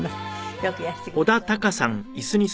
よくいらしてくださいました。